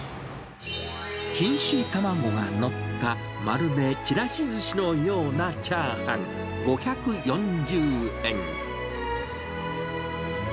錦糸玉子が載った、まるでちらしずしのようなチャーハン５４０円。